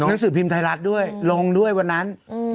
ก็ไปพลูกทางดินไทยรัฐด้วยลงด้วยวันนั้น